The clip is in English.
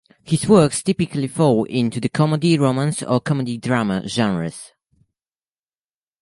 His works typically fall into the comedy, romance, or comedy drama genres.